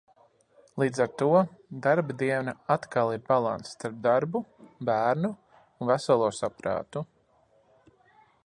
Līdz ar to, darba diena atkal ir balanss starp darbu, bērnu un veselo saprātu.